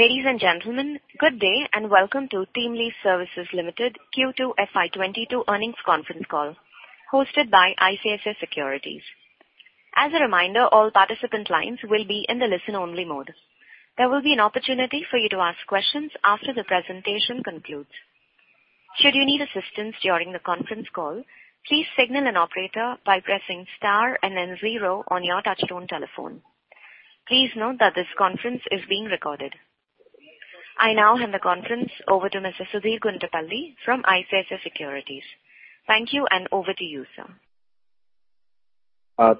Ladies and gentlemen, good day and welcome to TeamLease Services Limited Q2 FY 2022 earnings conference call hosted by ICICI Securities. As a reminder, all participant lines will be in the listen-only mode. There will be an opportunity for you to ask questions after the presentation concludes. Should you need assistance during the conference call, please signal an operator by pressing star and then zero on your touchtone telephone. Please note that this conference is being recorded. I now hand the conference over to Mr. Sudheer Guntupalli from ICICI Securities. Thank you and over to you, sir.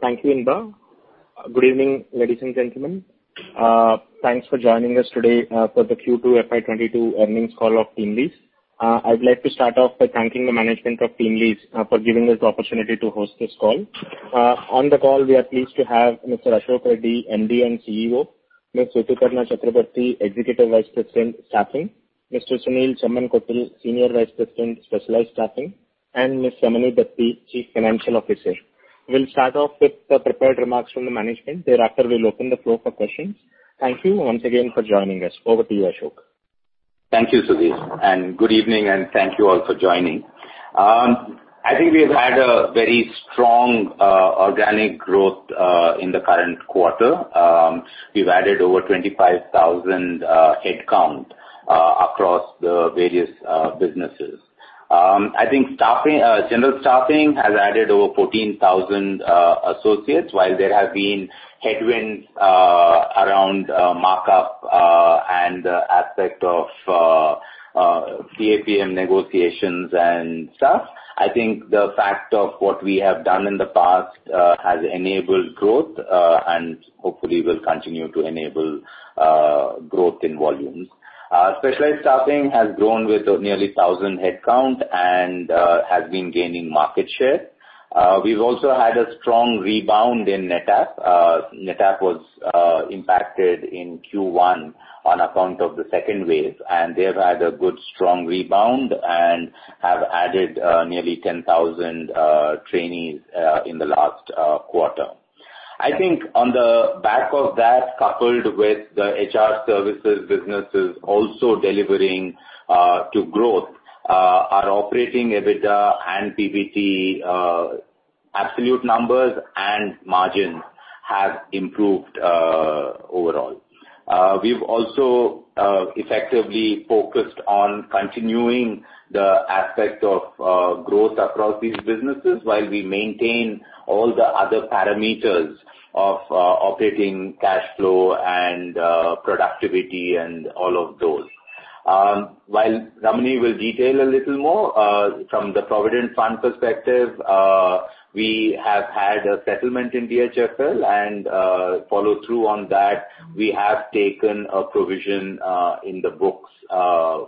Thank you, Inba. Good evening, ladies and gentlemen. Thanks for joining us today for the Q2 FY 2022 earnings call of TeamLease. I'd like to start off by thanking the management of TeamLease for giving us the opportunity to host this call. On the call we are pleased to have Mr. Ashok Reddy, MD and CEO, Ms. Rituparna Chakraborty, Executive Vice President, Staffing, Mr. Sunil Chemmankotil, Senior Vice President, Specialized Staffing, and Ms. Ramani Dathi, Chief Financial Officer. We'll start off with the prepared remarks from the management. Thereafter, we'll open the floor for questions. Thank you once again for joining us. Over to you, Ashok. Thank you, Sudheer, and good evening and thank you all for joining. I think we've had a very strong organic growth in the current quarter. We've added over 25,000 headcount across the various businesses. I think staffing general staffing has added over 14,000 associates, while there have been headwinds around markup and the aspect of CAPM negotiations and stuff. I think the fact of what we have done in the past has enabled growth and hopefully will continue to enable growth in volumes. Specialized staffing has grown with nearly 1,000 headcount and has been gaining market share. We've also had a strong rebound in NETAP. NETAP was impacted in Q1 on account of the second wave, and they've had a good strong rebound and have added nearly 10,000 trainees in the last quarter. I think on the back of that, coupled with the HR services businesses also delivering to growth, our operating EBITDA and PBT absolute numbers and margins have improved overall. We've also effectively focused on continuing the aspect of growth across these businesses while we maintain all the other parameters of operating cash flow and productivity and all of those. While Ramani will detail a little more from the provident fund perspective, we have had a settlement in DHFL and follow through on that. We have taken a provision in the books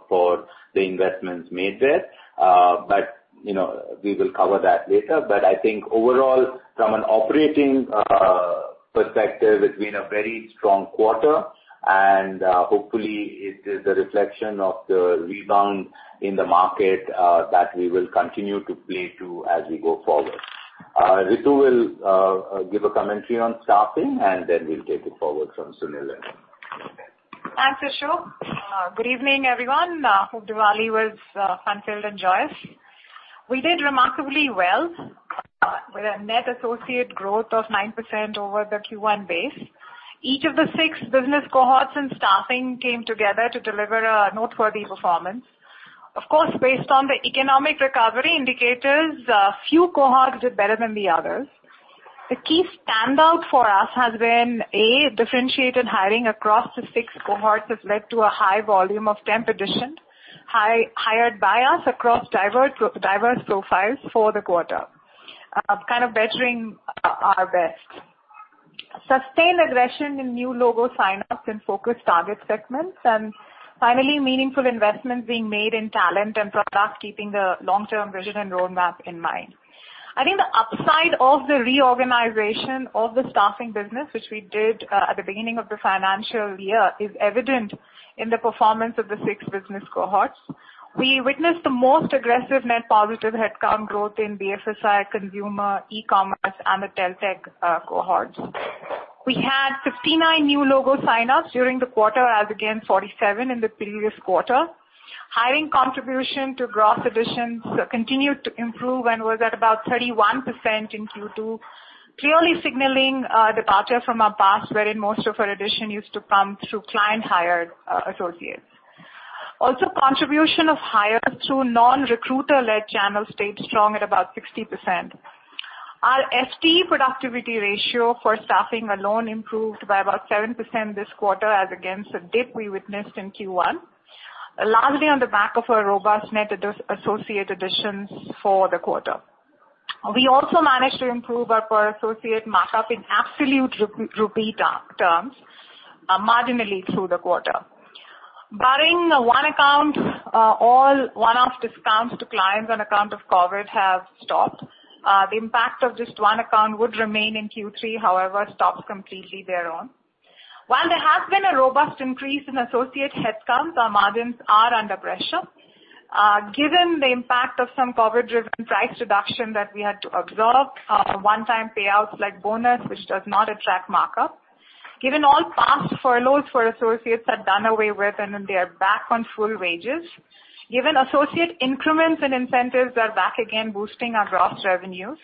for the investments made there. But you know, we will cover that later. I think overall, from an operating perspective, it's been a very strong quarter, and hopefully it is a reflection of the rebound in the market that we will continue to play to as we go forward. Ritu will give a commentary on staffing, and then we'll take it forward from Sunil then. Thanks, Ashok. Good evening, everyone. Hope Diwali was fun-filled and joyous. We did remarkably well with a net associate growth of 9% over the Q1 base. Each of the six business cohorts in staffing came together to deliver a noteworthy performance. Of course, based on the economic recovery indicators, few cohorts did better than the others. The key standout for us has been a, differentiated hiring across the six cohorts has led to a high volume of temp additions hired by us across diverse profiles for the quarter, kind of bettering our best. Sustained aggression in new logo sign-ups in focused target segments. Finally, meaningful investments being made in talent and product, keeping the long-term vision and roadmap in mind. I think the upside of the reorganization of the staffing business, which we did, at the beginning of the financial year, is evident in the performance of the six business cohorts. We witnessed the most aggressive net positive headcount growth in BFSI, consumer, e-commerce and the tel-tech cohorts. We had 59 new logo sign-ups during the quarter as against 47 in the previous quarter. Hiring contribution to gross additions continued to improve and was at about 31% in Q2, clearly signaling a departure from our past wherein most of our addition used to come through client-hired associates. Also, contribution of hires through non-recruiter-led channels stayed strong at about 60%. Our FTE productivity ratio for staffing alone improved by about 7% this quarter as against a dip we witnessed in Q1, largely on the back of our robust net added associate additions for the quarter. We also managed to improve our per associate markup in absolute rupee terms marginally through the quarter. Barring one account, all one-off discounts to clients on account of COVID have stopped. The impact of this one account would remain in Q3, however, stop completely there on. While there has been a robust increase in associate headcounts, our margins are under pressure. Given the impact of some COVID-driven price reduction that we had to absorb, one-time payouts like bonus, which does not attract markup. Given all past furloughs for associates are done away with and then they are back on full wages. Given associate increments and incentives are back again, boosting our gross revenues.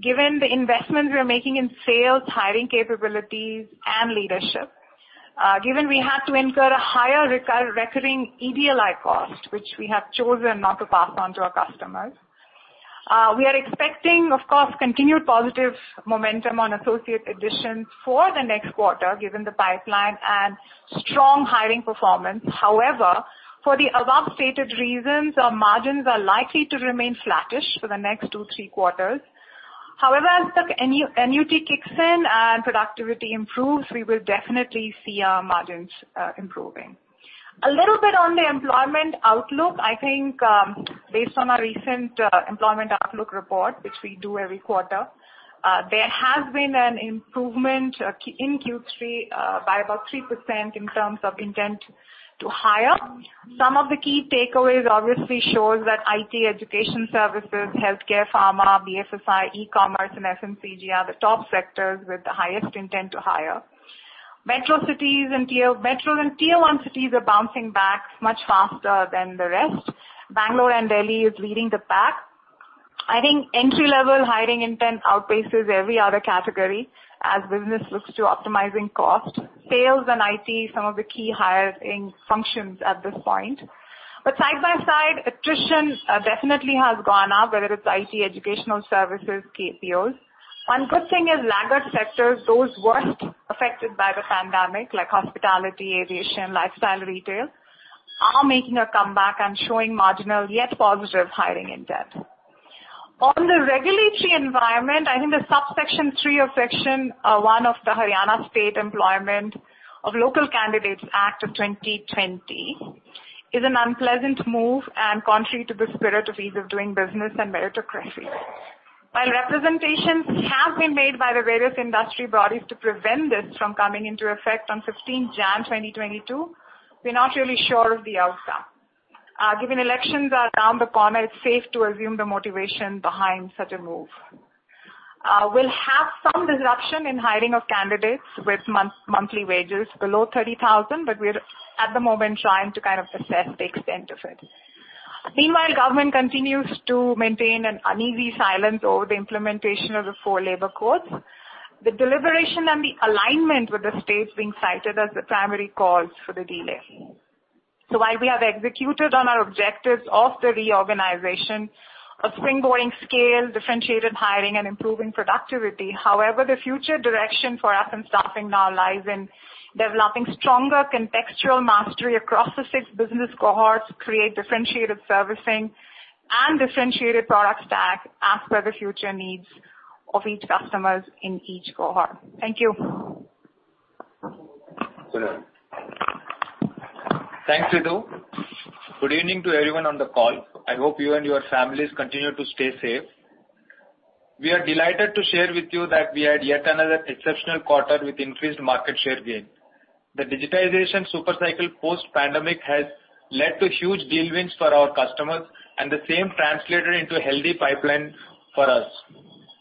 Given the investments we are making in sales, hiring capabilities and leadership. Given we have to incur a higher recurring EDLI cost, which we have chosen not to pass on to our customers. We are expecting, of course, continued positive momentum on associate additions for the next quarter given the pipeline and strong hiring performance. However, for the above stated reasons, our margins are likely to remain flattish for the next two, three quarters. However, as the annuity kicks in and productivity improves, we will definitely see our margins improving. A little bit on the employment outlook. I think, based on our recent employment outlook report, which we do every quarter, there has been an improvement in Q3 by about 3% in terms of intent to hire. Some of the key takeaways obviously shows that IT education services, healthcare, pharma, BFSI, e-commerce and FMCG are the top sectors with the highest intent to hire. Metro and Tier 1 cities are bouncing back much faster than the rest. Bangalore and Delhi is leading the pack. I think entry-level hiring intent outpaces every other category as business looks to optimizing cost. Sales and IT, some of the key hiring functions at this point. Side-by-side, attrition definitely has gone up, whether it's IT, educational services, KPOs. One good thing is laggard sectors, those worst affected by the pandemic, like hospitality, aviation, lifestyle retail, are making a comeback and showing marginal yet positive hiring intent. On the regulatory environment, I think the subsection three of section one of the Haryana State Employment of Local Candidates Act, 2020 is an unpleasant move and contrary to the spirit of ease of doing business and meritocracy. While representations have been made by the various industry bodies to prevent this from coming into effect on 15 January 2022, we're not really sure of the outcome. Given elections are around the corner, it's safe to assume the motivation behind such a move. We'll have some disruption in hiring of candidates with monthly wages below 30,000, but we're at the moment trying to kind of assess the extent of it. Meanwhile, government continues to maintain an uneasy silence over the implementation of the four labor codes. The deliberation and the alignment with the states being cited as the primary cause for the delay. While we have executed on our objectives of the reorganization of spring-loading scale, differentiated hiring and improving productivity. However, the future direction for us in staffing now lies in developing stronger contextual mastery across the six business cohorts, create differentiated servicing and differentiated product stack as per the future needs of each customers in each cohort. Thank you. Thanks, Ritu. Good evening to everyone on the call. I hope you and your families continue to stay safe. We are delighted to share with you that we had yet another exceptional quarter with increased market share gain. The digitization super cycle post-pandemic has led to huge deal wins for our customers, and the same translated into a healthy pipeline for us.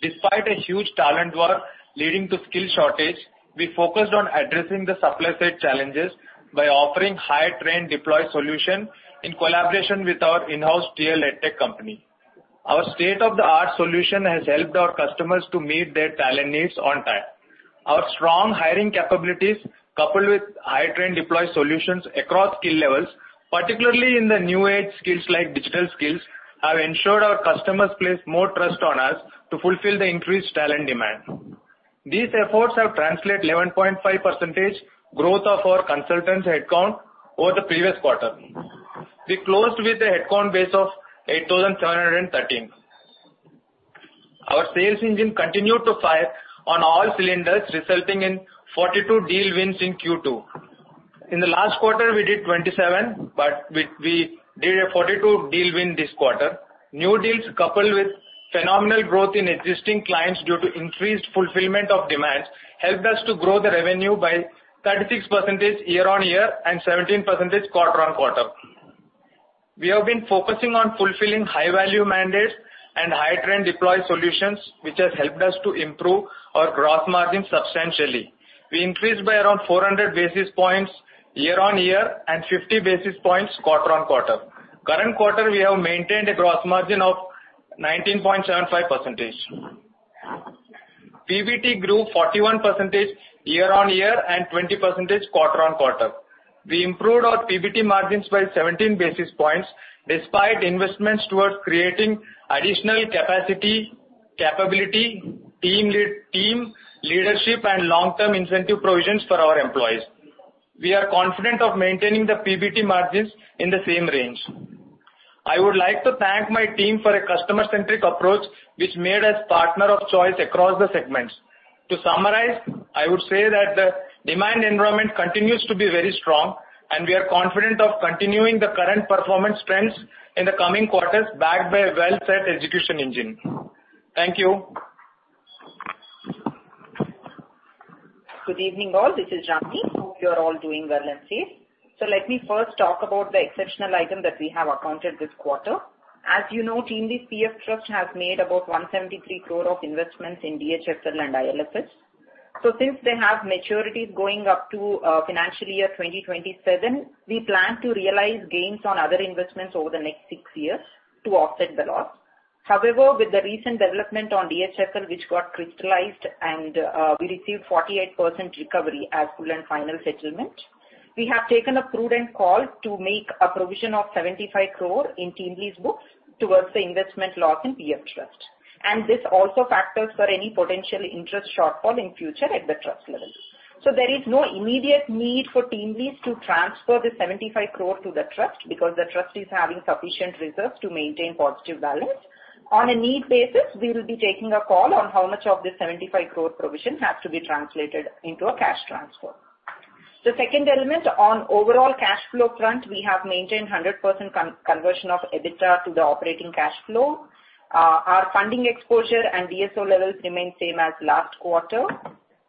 Despite a huge talent war leading to skill shortage, we focused on addressing the supply side challenges by offering hire, train, deploy solution in collaboration with our in-house TL EdTech company. Our state-of-the-art solution has helped our customers to meet their talent needs on time. Our strong hiring capabilities, coupled with hire, train, deploy solutions across skill levels, particularly in the new age skills like digital skills, have ensured our customers place more trust on us to fulfill the increased talent demand. These efforts have translated to 11.5% growth of our consultants' headcount over the previous quarter. We closed with a headcount base of 8,713. Our sales engine continued to fire on all cylinders, resulting in 42 deal wins in Q2. In the last quarter, we did 27, but we did a 42 deal win this quarter. New deals, coupled with phenomenal growth in existing clients due to increased fulfillment of demands, helped us to grow the revenue by 36% year-on-year and 17% quarter-on-quarter. We have been focusing on fulfilling high-value mandates and hire, train, deploy solutions, which has helped us to improve our gross margin substantially. We increased by around 400 basis points year-on-year and 50 basis points quarter-on-quarter. Current quarter we have maintained a gross margin of 19.75%. PBT grew 41% year-on-year and 20% quarter-on-quarter. We improved our PBT margins by 17 basis points despite investments towards creating additional capacity, capability, team leadership and long-term incentive provisions for our employees. We are confident of maintaining the PBT margins in the same range. I would like to thank my team for a customer-centric approach which made us partner of choice across the segments. To summarize, I would say that the demand environment continues to be very strong and we are confident of continuing the current performance trends in the coming quarters backed by a well-set execution engine. Thank you. Good evening, all. This is Ramani. Hope you're all doing well and safe. Let me first talk about the exceptional item that we have accounted this quarter. As you know, TeamLease PF trust has made about 173 crore of investments in DHFL and IL&FS. Since they have maturities going up to financial year 2027, we plan to realize gains on other investments over the next six years to offset the loss. However, with the recent development on DHFL which got crystallized and we received 48% recovery as full and final settlement, we have taken a prudent call to make a provision of 75 crore in TeamLease books towards the investment loss in PF trust. This also factors for any potential interest shortfall in future at the trust level. There is no immediate need for TeamLease to transfer the 75 crore to the trust because the trust is having sufficient reserves to maintain positive balance. On a need basis, we will be taking a call on how much of this 75 crore provision has to be translated into a cash transfer. The second element on overall cash flow front, we have maintained 100% conversion of EBITDA to the operating cash flow. Our funding exposure and DSO levels remain same as last quarter.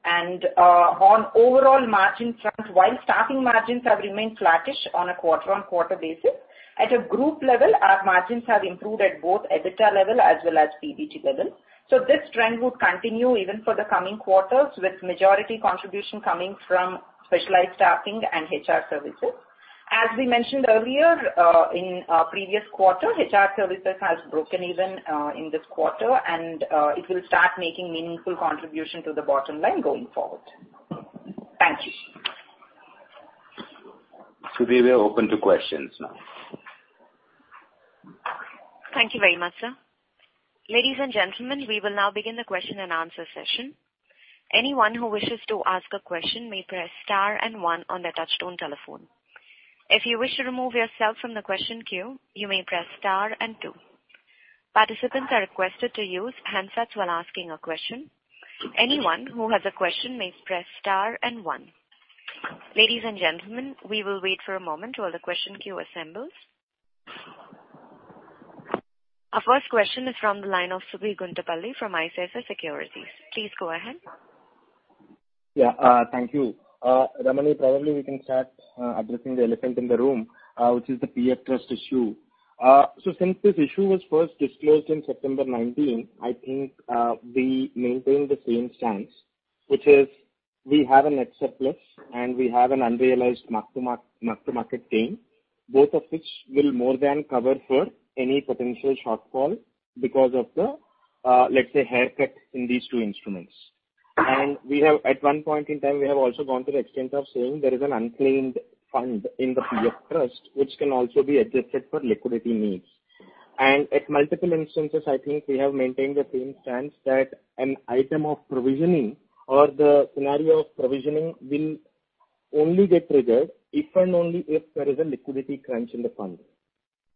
On overall margin front, while staffing margins have remained flattish on a quarter-on-quarter basis, at a group level, our margins have improved at both EBITDA level as well as PBT level. This trend would continue even for the coming quarters, with majority contribution coming from specialized staffing and HR services. As we mentioned earlier, in a previous quarter, HR services has broken even in this quarter, and it will start making meaningful contribution to the bottom line going forward. Thank you. Sudheer, we are open to questions now. Thank you very much, sir. Ladies and gentlemen, we will now begin the question-and-answer session. Anyone who wishes to ask a question may press star and one on their touchtone telephone. If you wish to remove yourself from the question queue, you may press star and two. Participants are requested to use handsets while asking a question. Anyone who has a question may press star and one. Ladies and gentlemen, we will wait for a moment while the question queue assembles. Our first question is from the line of Sudheer Guntupalli from ICICI Securities. Please go ahead. Yeah. Thank you. Ramani, probably we can start addressing the elephant in the room, which is the PF trust issue. So since this issue was first disclosed in September 2019, I think, we maintain the same stance, which is we have a net surplus, and we have an unrealized mark-to-market gain, both of which will more than cover for any potential shortfall because of the, let's say, haircut in these two instruments. We have, at one point in time, also gone to the extent of saying there is an unclaimed fund in the PF trust which can also be adjusted for liquidity needs. At multiple instances, I think we have maintained the same stance that an item of provisioning or the scenario of provisioning will only get triggered if and only if there is a liquidity crunch in the fund.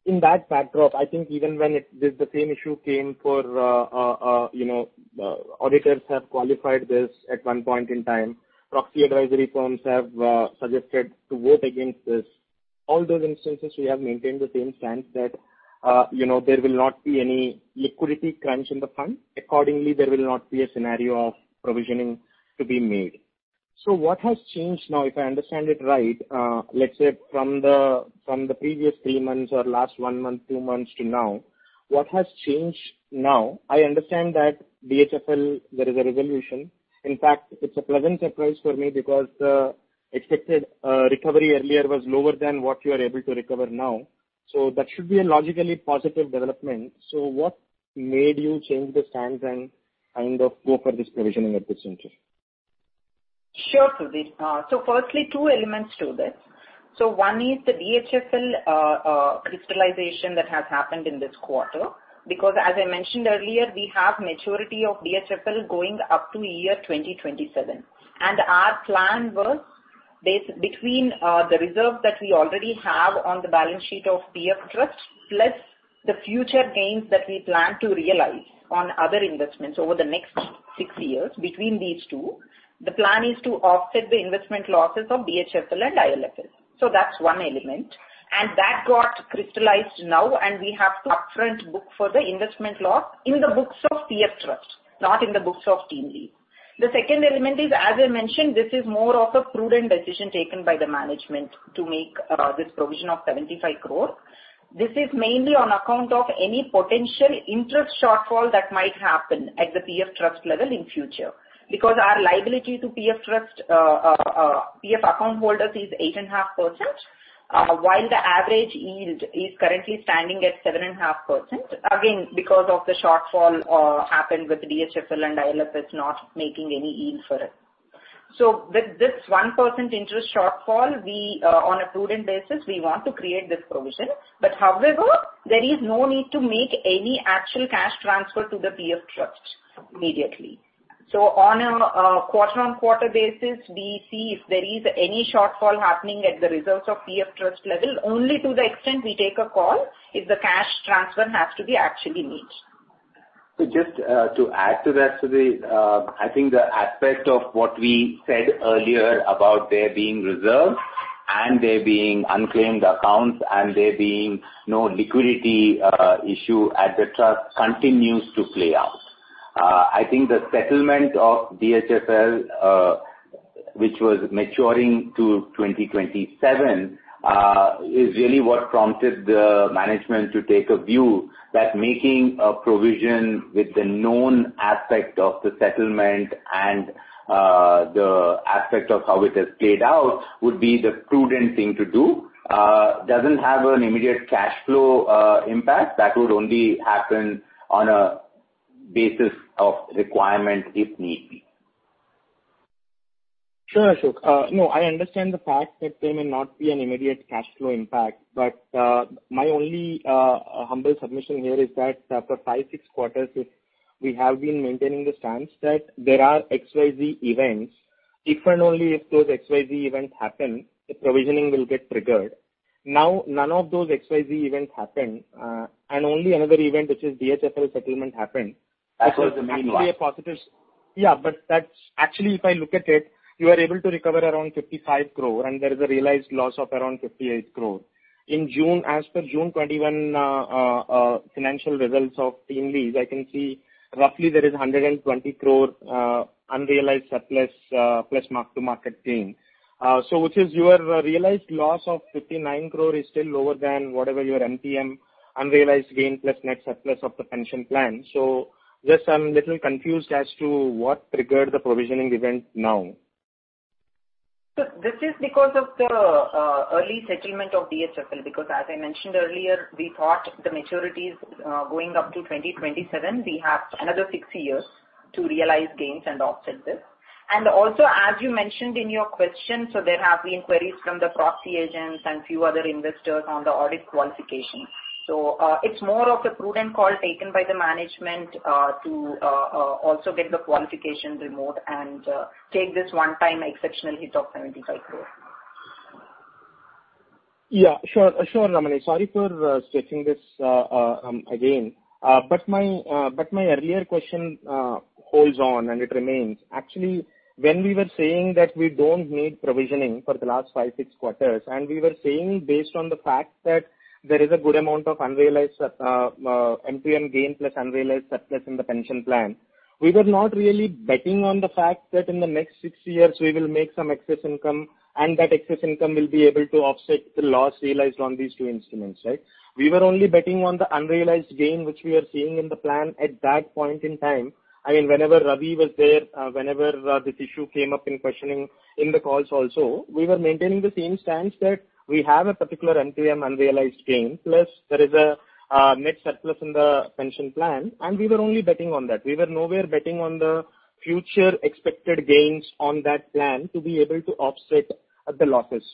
In that backdrop, I think even when the same issue came for, you know, auditors have qualified this at one point in time. Proxy advisory firms have suggested to vote against this. All those instances we have maintained the same stance that, you know, there will not be any liquidity crunch in the fund. Accordingly, there will not be a scenario of provisioning to be made. What has changed now, if I understand it right, let's say from the previous three months or last one month, two months to now, what has changed now? I understand that DHFL, there is a resolution. In fact, it's a pleasant surprise for me because the expected recovery earlier was lower than what you are able to recover now. That should be a logically positive development. What made you change the stance and kind of go for this provisioning at this juncture? Sure, Sudheer. Firstly, 2 elements to this. One is the DHFL crystallization that has happened in this quarter. Because as I mentioned earlier, we have maturity of DHFL going up to year 2027. Our plan was between the reserve that we already have on the balance sheet of PF trust, plus the future gains that we plan to realize on other investments over the next six years between these two, the plan is to offset the investment losses of DHFL and IL&FS. That's one element. That got crystallized now, and we have to upfront book for the investment loss in the books of PF trust, not in the books of TeamLease. The second element is, as I mentioned, this is more of a prudent decision taken by the management to make this provision of 75 crore. This is mainly on account of any potential interest shortfall that might happen at the PF trust level in future. Because our liability to PF trust, PF account holders is 8.5%, while the average yield is currently standing at 7.5%, again, because of the shortfall happened with DHFL and IL&FS not making any yield for it. With this 1% interest shortfall, we, on a prudent basis, we want to create this provision. However, there is no need to make any actual cash transfer to the PF trust immediately. On a quarter-over-quarter basis, we see if there is any shortfall happening at the reserves of PF trust level, only to the extent we take a call if the cash transfer has to be actually made. Just to add to that, Sudheer, I think the aspect of what we said earlier about there being reserves and there being unclaimed accounts and there being no liquidity issue at the trust continues to play out. I think the settlement of DHFL, which was maturing to 2027, is really what prompted the management to take a view that making a provision with the known aspect of the settlement and the aspect of how it has played out would be the prudent thing to do. Doesn't have an immediate cash flow impact. That would only happen on a basis of requirement if need be. Sure, Ashok. No, I understand the fact that there may not be an immediate cash flow impact, but my only humble submission here is that for five, six quarters, if we have been maintaining the stance that there are XYZ events, if and only if those XYZ events happen, the provisioning will get triggered. Now, none of those XYZ events happened, and only another event, which is DHFL settlement happened- That was the main one. Which was actually a positive. Yeah, but that's actually, if I look at it, you are able to recover around 55 crore and there is a realized loss of around 58 crore. In June, as per June 2021 financial results of TeamLease, I can see roughly there is 120 crore unrealized surplus plus mark to market gain. Which is your realized loss of 59 crore is still lower than whatever your MTM unrealized gain plus net surplus of the pension plan. Just I'm little confused as to what triggered the provisioning event now. This is because of the early settlement of DHFL, because as I mentioned earlier, we thought the maturities going up to 2027, we have another six years to realize gains and offset this. Also, as you mentioned in your question, so there have been queries from the proxy agents and few other investors on the audit qualification. It's more of a prudent call taken by the management to also get the qualification removed and take this one-time exceptional hit of 75 crore. Yeah, sure. Sure, Ramani. Sorry for stretching this again. My earlier question holds on and it remains. Actually, when we were saying that we don't need provisioning for the last five, six quarters, and we were saying based on the fact that there is a good amount of unrealized MTM gain plus unrealized surplus in the pension plan. We were not really betting on the fact that in the next six years we will make some excess income and that excess income will be able to offset the loss realized on these two instruments, right? We were only betting on the unrealized gain, which we are seeing in the plan at that point in time. I mean, whenever Ramani was there, this issue came up in questioning in the calls also, we were maintaining the same stance that we have a particular MTM unrealized gain, plus there is a net surplus in the pension plan, and we were only betting on that. We were nowhere betting on the future expected gains on that plan to be able to offset the losses.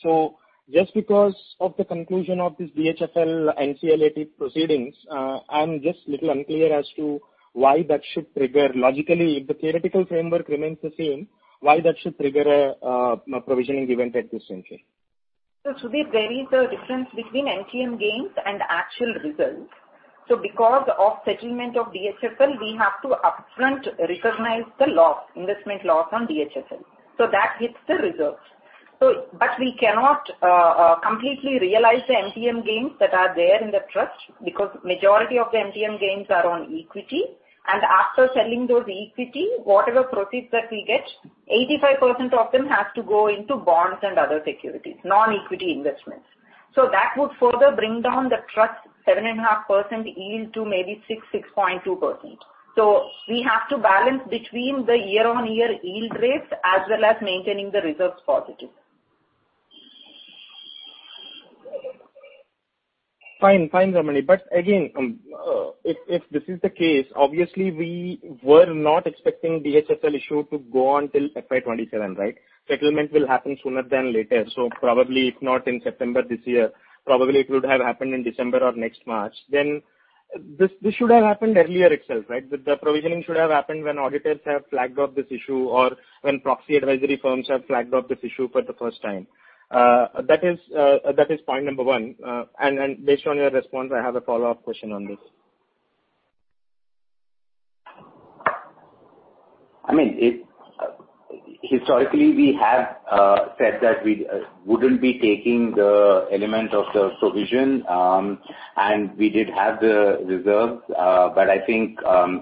Just because of the conclusion of this DHFL NCLAT proceedings, I'm just little unclear as to why that should trigger. Logically, if the theoretical framework remains the same, why that should trigger a provisioning event at this juncture. Sudheer, there is a difference between MTM gains and actual results. Because of settlement of DHFL, we have to upfront recognize the loss, investment loss on DHFL. We cannot completely realize the MTM gains that are there in the trust because majority of the MTM gains are on equity. After selling those equity, whatever proceeds that we get, 85% of them has to go into bonds and other securities, non-equity investments. That would further bring down the trust 7.5% yield to maybe 6%-6.2%. We have to balance between the year-on-year yield rates as well as maintaining the results positive. Fine, Ramani. Again, if this is the case, obviously we were not expecting DHFL issue to go on till FY 2027, right? Settlement will happen sooner than later. Probably if not in September this year, probably it would have happened in December or next March. This should have happened earlier itself, right? The provisioning should have happened when auditors have flagged off this issue or when proxy advisory firms have flagged off this issue for the first time. That is point number one. Based on your response, I have a follow-up question on this. I mean, historically, we have said that we wouldn't be taking the element of the provision, and we did have the reserves. But I think,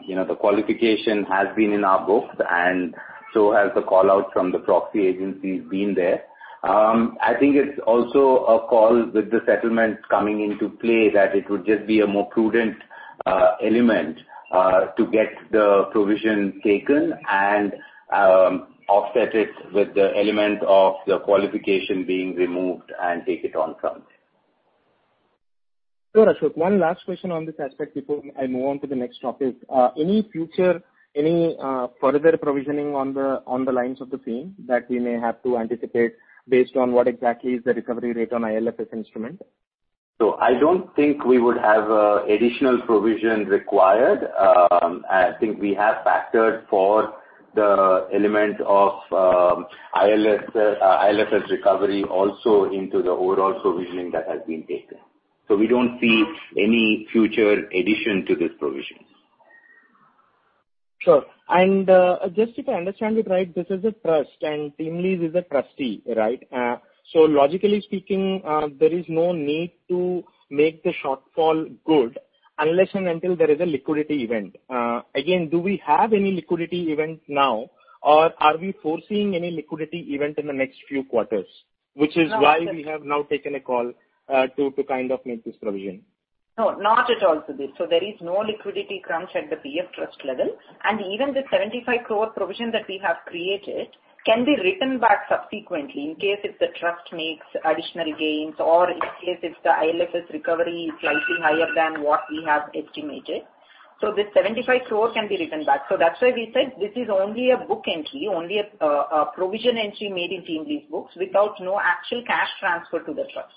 you know, the qualification has been in our books and so has the call-out from the proxy agencies been there. I think it's also a call with the settlements coming into play that it would just be a more prudent element to get the provision taken and offset it with the element of the qualification being removed and take it on from there. Sure, Ashok. One last question on this aspect before I move on to the next topic. Any further provisioning on the lines of the same that we may have to anticipate based on what exactly is the recovery rate on IL&FS instrument? I don't think we would have additional provision required. I think we have factored for the element of IL&FS recovery also into the overall provisioning that has been taken. We don't see any future addition to this provision. Sure. Just if I understand it right, this is a trust and TeamLease is a trustee, right? Logically speaking, there is no need to make the shortfall good unless and until there is a liquidity event. Again, do we have any liquidity event now or are we foreseeing any liquidity event in the next few quarters, which is why we have now taken a call to kind of make this provision? No, not at all, Sudheer. There is no liquidity crunch at the TeamLease PF trust level. Even the 75 crore provision that we have created can be written back subsequently in case if the trust makes additional gains or in case if the IL&FS recovery is slightly higher than what we have estimated. This 75 crore can be written back. That's why we said this is only a book entry, only a provision entry made in TeamLease books without no actual cash transfer to the trust.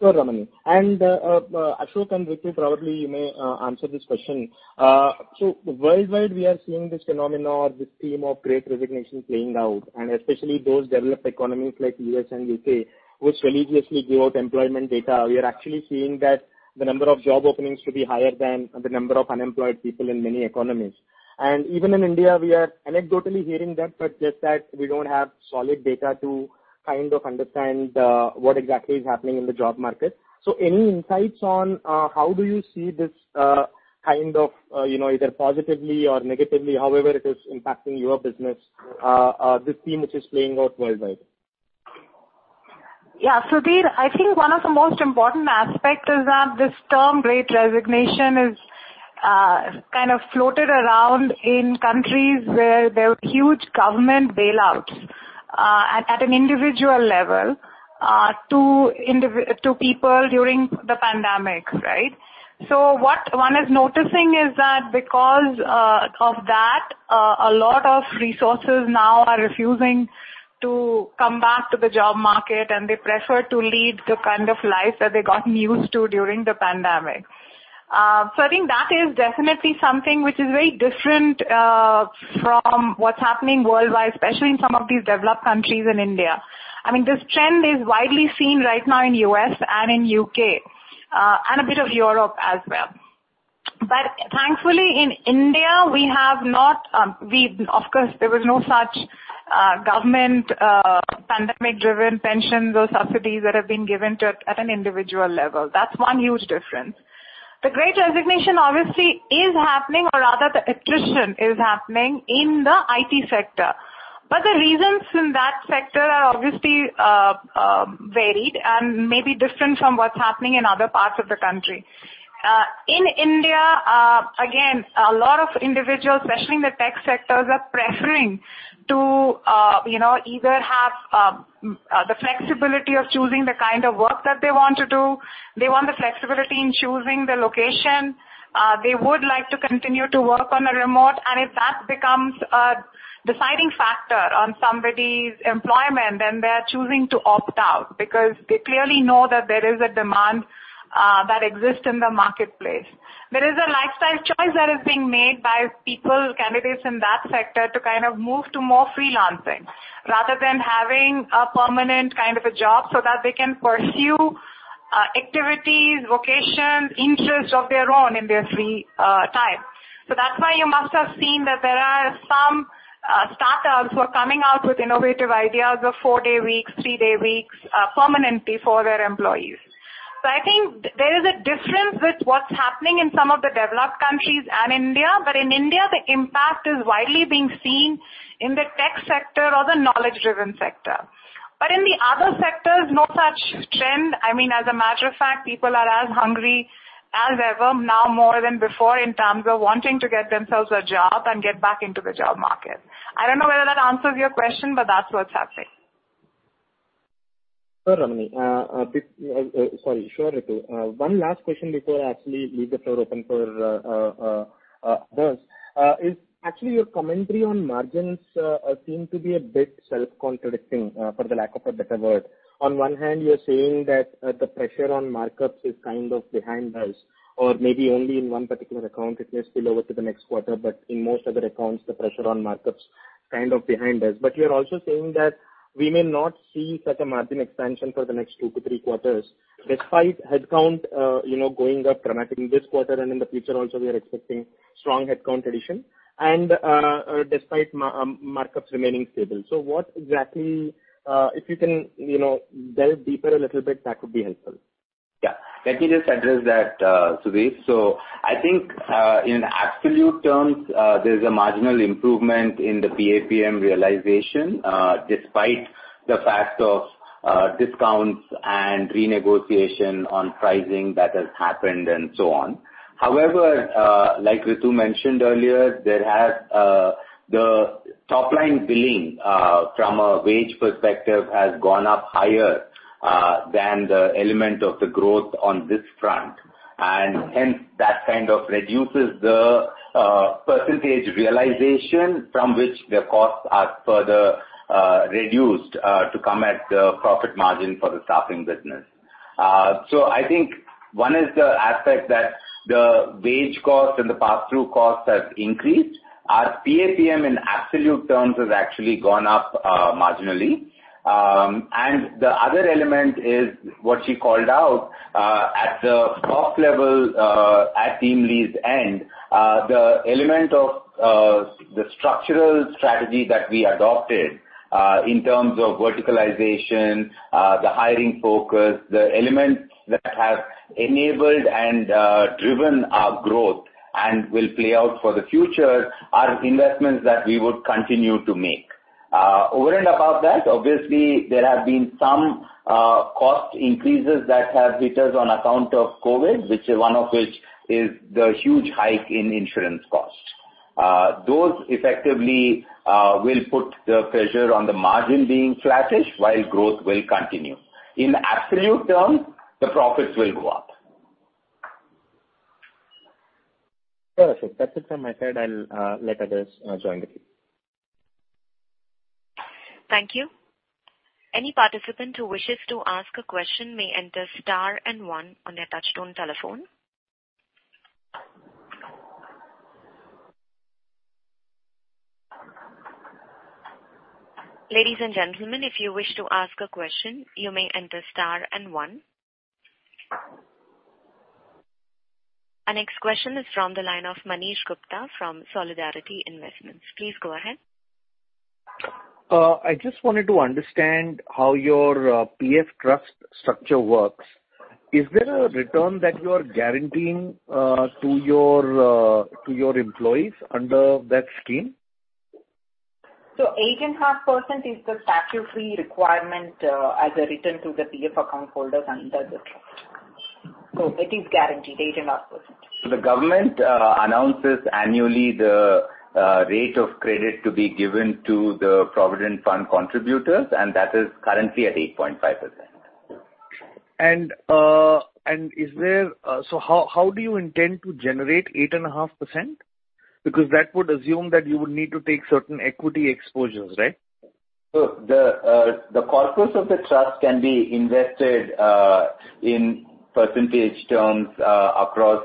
Sure, Ramani. Ashok and Ritu probably you may answer this question. Worldwide we are seeing this phenomena or this theme of great resignation playing out, and especially those developed economies like U.S. and U.K., which religiously give out employment data. We are actually seeing that the number of job openings to be higher than the number of unemployed people in many economies. Even in India we are anecdotally hearing that, but just that we don't have solid data to kind of understand what exactly is happening in the job market. Any insights on how do you see this kind of you know, either positively or negatively, however it is impacting your business, this theme which is playing out worldwide? Yeah. Sudheer, I think one of the most important aspect is that this term Great Resignation is kind of floated around in countries where there were huge government bailouts at an individual level to people during the pandemic, right? What one is noticing is that because of that a lot of resources now are refusing to come back to the job market, and they prefer to lead the kind of life that they gotten used to during the pandemic. I think that is definitely something which is very different from what's happening worldwide, especially in some of these developed countries in India. I mean, this trend is widely seen right now in U.S. and in U.K., and a bit of Europe as well. Thankfully in India we have not, we, of course, there was no such government pandemic-driven pensions or subsidies that have been given to an individual level. That's one huge difference. The great resignation obviously is happening or rather the attrition is happening in the IT sector. But the reasons in that sector are obviously varied and may be different from what's happening in other parts of the country. In India, again, a lot of individuals, especially in the tech sectors, are preferring to you know either have the flexibility of choosing the kind of work that they want to do. They want the flexibility in choosing the location. They would like to continue to work remotely, and if that becomes a deciding factor on somebody's employment, then they are choosing to opt out because they clearly know that there is a demand that exists in the marketplace. There is a lifestyle choice that is being made by people, candidates in that sector to kind of move to more freelancing rather than having a permanent kind of a job so that they can pursue activities, vocations, interests of their own in their free time. That's why you must have seen that there are some startups who are coming out with innovative ideas of four-day weeks, three-day weeks permanently for their employees. I think there is a difference with what's happening in some of the developed countries and India. In India, the impact is widely being seen in the tech sector or the knowledge-driven sector. In the other sectors, no such trend. I mean, as a matter of fact, people are as hungry as ever now more than before in terms of wanting to get themselves a job and get back into the job market. I don't know whether that answers your question, but that's what's happening. Sure, Rituparna. One last question before I actually leave the floor open for others. Is actually your commentary on margins seem to be a bit self-contradicting for the lack of a better word. On one hand, you're saying that the pressure on markups is kind of behind us or maybe only in one particular account it may spill over to the next quarter, but in most other accounts the pressure on markups kind of behind us. You're also saying that we may not see such a margin expansion for the next two to three quarters despite headcount you know going up dramatically this quarter and in the future also we are expecting strong headcount addition and despite markups remaining stable. What exactly, if you can, you know, delve deeper a little bit, that would be helpful? Yeah. Let me just address that, Sudheer. I think in absolute terms, there's a marginal improvement in the PAPM realization, despite the fact of discounts and renegotiation on pricing that has happened and so on. However, like Rituparna mentioned earlier, there has the top line billing from a wage perspective has gone up higher than the element of the growth on this front. Hence that kind of reduces the percentage realization from which the costs are further reduced to come at the profit margin for the staffing business. I think one is the aspect that the wage cost and the pass-through cost has increased. Our PAPM in absolute terms has actually gone up marginally. The other element is what she called out at the top level at TeamLease's end, the element of the structural strategy that we adopted in terms of verticalization, the hiring focus, the elements that have enabled and driven our growth and will play out for the future are investments that we would continue to make. Over and above that, obviously, there have been some cost increases that have hit us on account of COVID, one of which is the huge hike in insurance costs. Those effectively will put the pressure on the margin being flattish while growth will continue. In absolute terms, the profits will go up. Perfect. That's it from my side. I'll let others join the queue. Thank you. Any participants who wish to ask a question may enter star and one in their touchtone telephone. Our next question is from the line of Manish Gupta from Solidarity Investment. Please go ahead. I just wanted to understand how your PF trust structure works. Is there a return that you are guaranteeing to your employees under that scheme? 8.5% is the statutory requirement, as a return to the PF account holders under the trust. It is guaranteed 8.5%. The government announces annually the rate of credit to be given to the provident fund contributors, and that is currently at 8.5%. How do you intend to generate 8.5%? Because that would assume that you would need to take certain equity exposures, right? The corpus of the trust can be invested in percentage terms across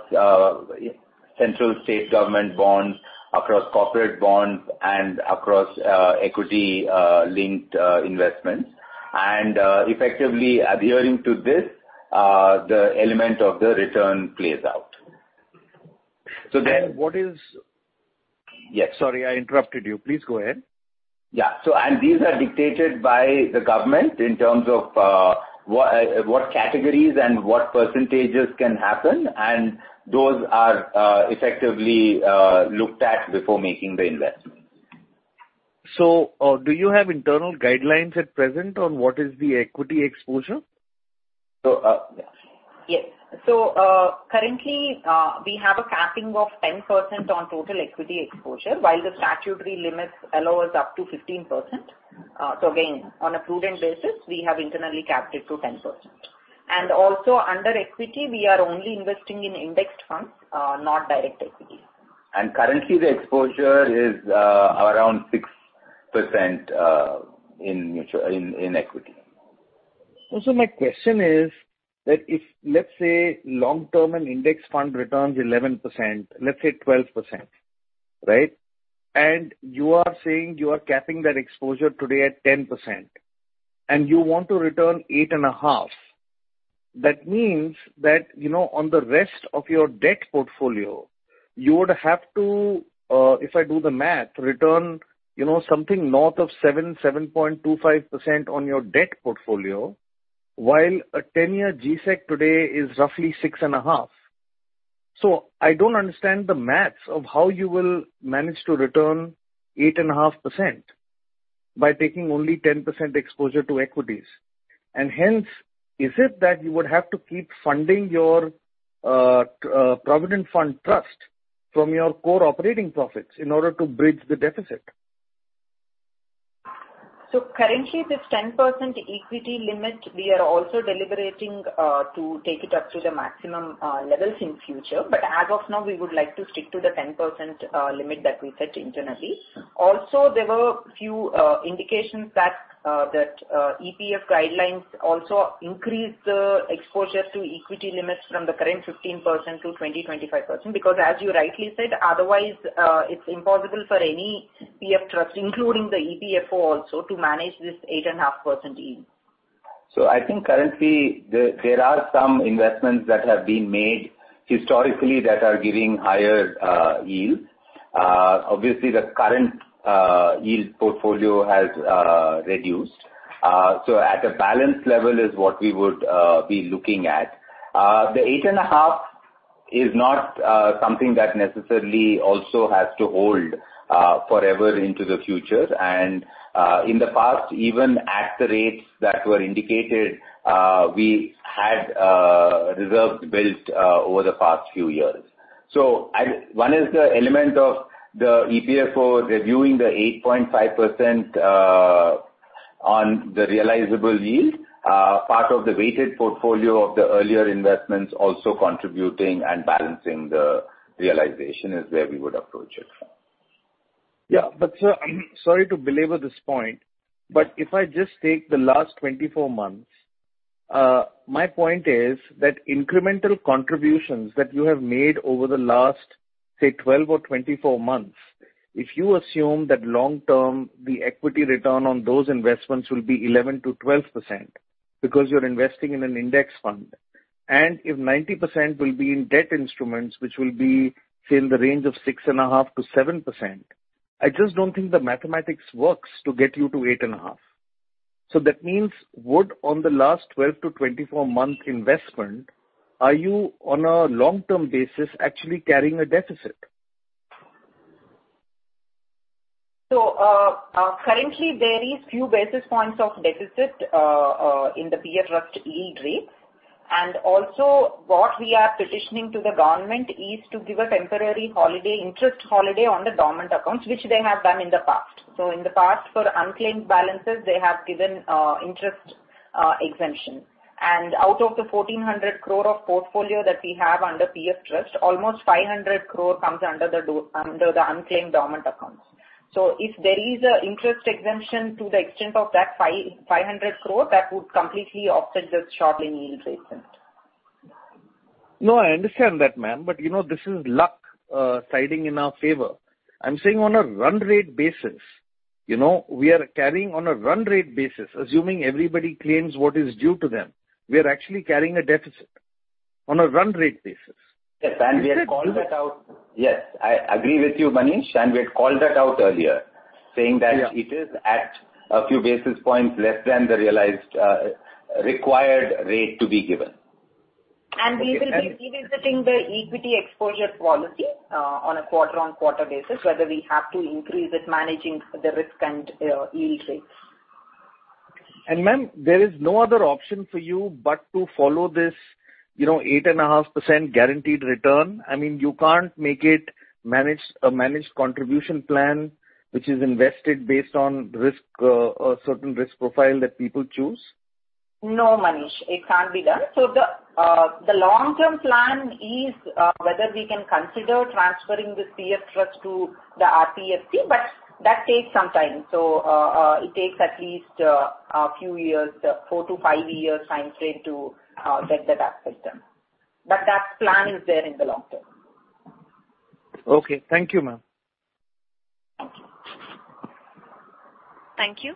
central state government bonds, across corporate bonds, and across equity linked investments. Effectively adhering to this, the element of the return plays out. What is- Yes. Sorry, I interrupted you. Please go ahead. These are dictated by the government in terms of what categories and what percentages can happen, and those are effectively looked at before making the investment. Do you have internal guidelines at present on what is the equity exposure? So, uh- Yes. Currently, we have a capping of 10% on total equity exposure, while the statutory limits allow us up to 15%. Again, on a prudent basis, we have internally capped it to 10%. Also, under equity, we are only investing in indexed funds, not direct equities. Currently, the exposure is around 6% in equity. My question is that if, let's say, long-term and index fund returns 11%, let's say 12%, right? You are saying you are capping that exposure today at 10%, and you want to return 8.5%. That means that, you know, on the rest of your debt portfolio, you would have to, if I do the math, return, you know, something north of 7.25% on your debt portfolio, while a 10-year GSEC today is roughly 6.5%. I don't understand the math of how you will manage to return 8.5% by taking only 10% exposure to equities. Hence, is it that you would have to keep funding your provident fund trust from your core operating profits in order to bridge the deficit? Currently, this 10% equity limit, we are also deliberating to take it up to the maximum levels in future. But as of now, we would like to stick to the 10% limit that we set internally. Also, there were a few indications that EPF guidelines also increase the exposure to equity limits from the current 15% to 20%-25%, because as you rightly said, otherwise, it's impossible for any PF trust, including the EPFO also, to manage this 8.5% yield. I think currently there are some investments that have been made historically that are giving higher yield. Obviously, the current yield portfolio has reduced. At a balance level is what we would be looking at. The 8.5% Is not something that necessarily also has to hold forever into the future. In the past, even at the rates that were indicated, we had reserves built over the past few years. One is the element of the EPFO reviewing the 8.5% on the realizable yield. Part of the weighted portfolio of the earlier investments also contributing and balancing the realization is where we would approach it from. Yeah. Sir, sorry to belabor this point, but if I just take the last 24 months, my point is that incremental contributions that you have made over the last, say, 12 or 24 months, if you assume that long term, the equity return on those investments will be 11%-12% because you're investing in an index fund, and if 90% will be in debt instruments, which will be say in the range of 6.5%-7%, I just don't think the mathematics works to get you to 8.5%. That means on the last 12- to 24-month investment, are you on a long-term basis actually carrying a deficit? Currently there is few basis points of deficit in the PF trust yield rate. Also what we are petitioning to the government is to give a temporary holiday, interest holiday on the dormant accounts, which they have done in the past. In the past, for unclaimed balances, they have given interest exemption. Out of the 1,400 crore of portfolio that we have under PF trust, almost 500 crore comes under the unclaimed dormant accounts. If there is a interest exemption to the extent of that 500 crore, that would completely offset the shortfall in yield rates. No, I understand that, ma'am, but you know, this is luck siding in our favor. I'm saying on a run rate basis, you know, we are carrying on a run rate basis, assuming everybody claims what is due to them, we are actually carrying a deficit on a run rate basis. Yes. We have called that out. Yes. I agree with you, Manish, and we had called that out earlier saying that. Yeah. It is at a few basis points less than the realized, required rate to be given. We will be revisiting the equity exposure policy on a quarter-on-quarter basis, whether we have to increase it, managing the risk and yield rates. Ma'am, there is no other option for you but to follow this, you know, 8.5% guaranteed return. I mean, you can't make it a managed contribution plan which is invested based on risk, a certain risk profile that people choose. No, Manish, it can't be done. The long-term plan is whether we can consider transferring this PF trust to the RPFC, but that takes some time. It takes at least a few years, four to five years time frame to get that system. That plan is there in the long term. Okay. Thank you, ma'am. Okay. Thank you.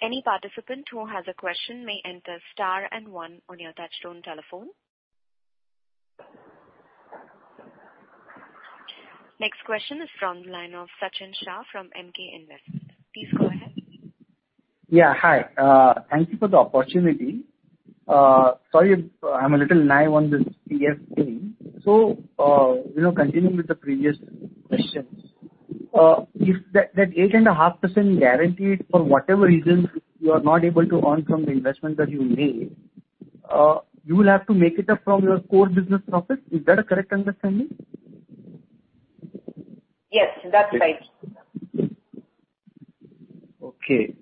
Any participant who has a question may enter star and one on your touchtone telephone. Next question is from the line of Sachin Shah from Emkay Investment Managers. Please go ahead. Yeah, hi. Thank you for the opportunity. Sorry if I'm a little naive on this PF thing. You know, continuing with the previous questions, if that 8.5% guaranteed for whatever reason you are not able to earn from the investment that you made, you will have to make it up from your core business profits. Is that a correct understanding? Yes, that's right. Okay.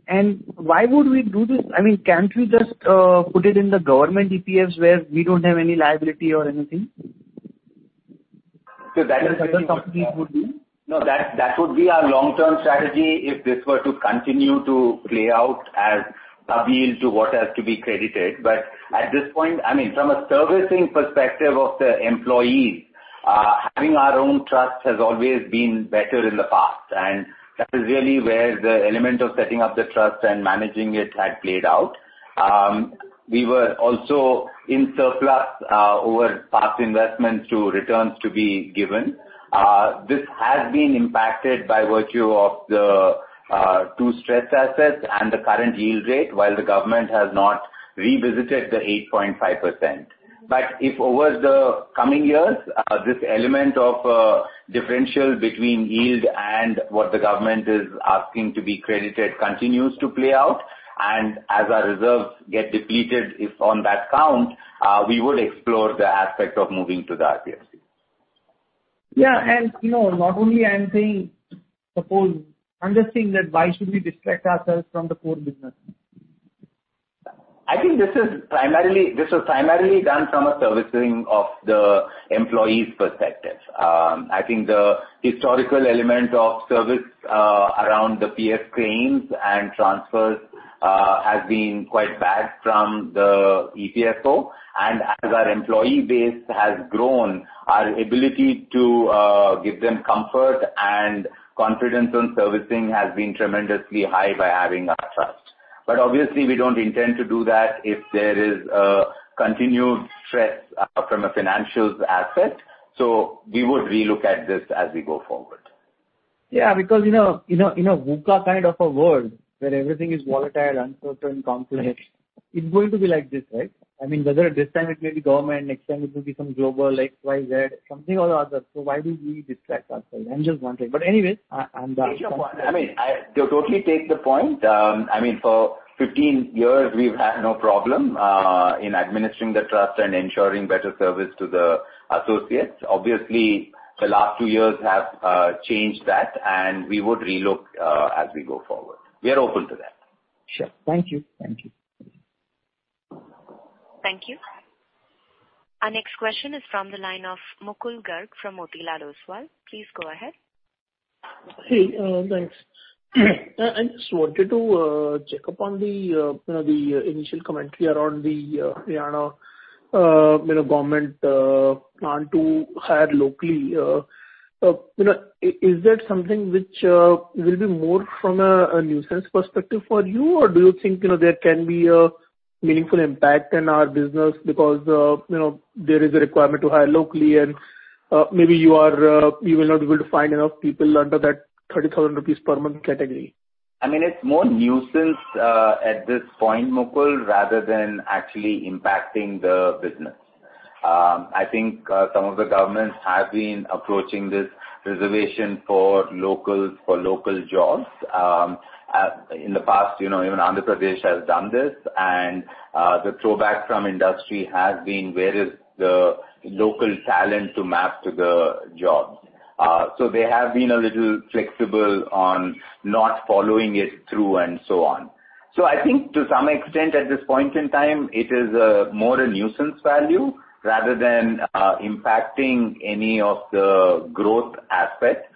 Why would we do this? I mean, can't we just put it in the government EPS where we don't have any liability or anything? So that is- Is that something we would do? No, that would be our long-term strategy if this were to continue to play out as a yield to what has to be credited. At this point, I mean, from a servicing perspective of the employees, having our own trust has always been better in the past, and that is really where the element of setting up the trust and managing it had played out. We were also in surplus over past investments to returns to be given. This has been impacted by virtue of the two stress assets and the current yield rate while the government has not revisited the 8.5%. If over the coming years, this element of differential between yield and what the government is asking to be credited continues to play out, and as our reserves get depleted, if on that count, we would explore the aspect of moving to the RPFC. Yeah. You know, not only I'm saying, suppose I'm just saying that why should we distract ourselves from the core business? I think this is primarily done from a servicing of the employees perspective. I think the historical element of service around the PF claims and transfers has been quite bad from the EPFO. As our employee base has grown, our ability to give them comfort and confidence on servicing has been tremendously high by having our trust. Obviously we don't intend to do that if there is a continued stress from a financials aspect. We would relook at this as we go forward. Yeah. Because, you know, in this kind of a world where everything is volatile, uncertain, complex, it's going to be like this, right? I mean, whether this time it may be government, next time it will be some global X, Y, Z, something or the other. Why do we distract ourselves? I'm just wondering. Anyway, I'm done. I mean, I totally take the point. I mean, for 15 years we've had no problem in administering the trust and ensuring better service to the associates. Obviously, the last two years have changed that, and we would relook as we go forward. We are open to that. Sure. Thank you. Thank you. Thank you. Our next question is from the line of Mukul Garg from Motilal Oswal. Please go ahead. Hey, thanks. I just wanted to check up on the you know, the initial commentary around the Haryana you know, government plan to hire locally. You know, is that something which will be more from a nuisance perspective for you? Or do you think you know, there can be a meaningful impact in our business because you know, there is a requirement to hire locally and maybe you will not be able to find enough people under that 30,000 rupees per month category. I mean, it's more nuisance at this point, Mukul, rather than actually impacting the business. I think some of the governments have been approaching this reservation for locals, for local jobs. In the past, you know, even Andhra Pradesh has done this. The pushback from industry has been where is the local talent to map to the jobs? They have been a little flexible on not following it through and so on. I think to some extent at this point in time, it is more a nuisance value rather than impacting any of the growth aspects.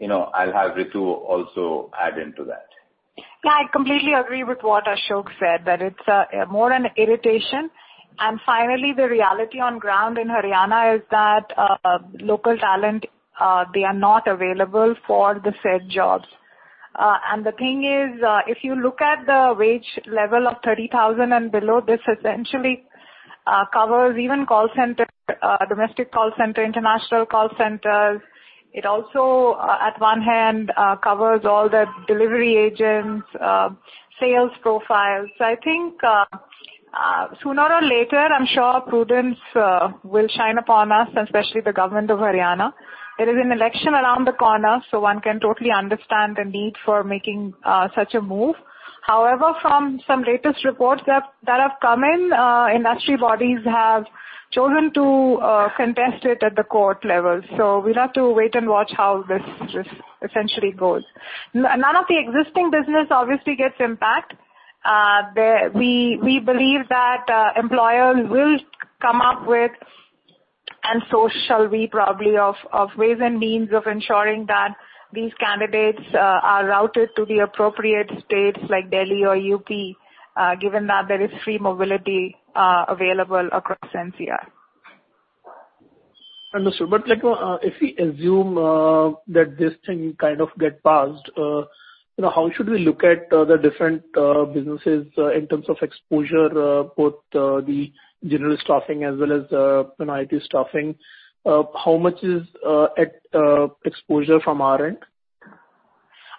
You know, I'll have Ritu also add into that. Yeah, I completely agree with what Ashok said, that it's more an irritation. Finally, the reality on ground in Haryana is that local talent they are not available for the said jobs. The thing is, if you look at the wage level of 30,000 and below, this essentially covers even call center, domestic call center, international call centers. It also at one hand covers all the delivery agents, sales profiles. I think sooner or later, I'm sure prudence will shine upon us, especially the government of Haryana. There is an election around the corner, so one can totally understand the need for making such a move. However, from some latest reports that have come in, industry bodies have chosen to contest it at the court level. We'll have to wait and watch how this just essentially goes. None of the existing business obviously gets impacted. We believe that employers will come up with, and so shall we probably, of ways and means of ensuring that these candidates are routed to the appropriate states like Delhi or UP, given that there is free mobility available across NCR. Understood. Like, if we assume that this thing kind of get passed, you know, how should we look at the different businesses in terms of exposure, both the general staffing as well as, you know, IT staffing? How much is at exposure from our end?